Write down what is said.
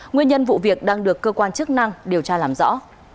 nguyên nhân vụ việc đang được cơ quan chức năng điều tra làm rõ